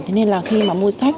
thế nên là khi mà mua sách